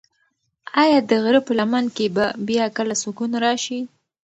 ایا د غره په لمن کې به بیا کله سکون راشي؟